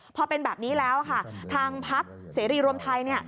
พอเป็นแบบนี้แล้วค่ะทางพักเสรีรวมไทย